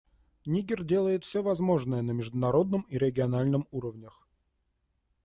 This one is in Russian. Нигер делает все возможное на международном и региональном уровнях.